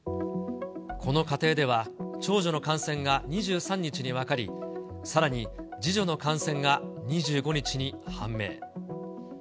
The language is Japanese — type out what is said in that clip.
この家庭では、長女の感染が２３日に分かり、さらに次女の感染が２５日に判明。